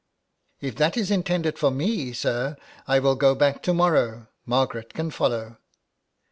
''" If that is intended for me, sir, I will go back to morrow. Margaret can follow."